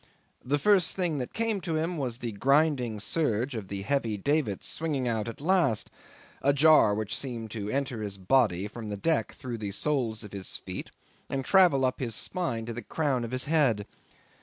The first thing that came to him was the grinding surge of the heavy davits swinging out at last a jar which seemed to enter his body from the deck through the soles of his feet, and travel up his spine to the crown of his head.